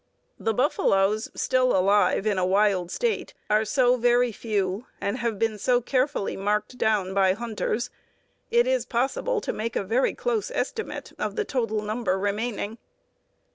The buffaloes still alive in a wild state are so very few, and have been so carefully "marked down" by hunters, it is possible to make a very close estimate of the total number remaining.